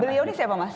beliau ini siapa mas